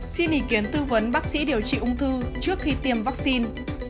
xin ý kiến tư vấn bác sĩ điều trị ung thư trước khi tiêm vắc xin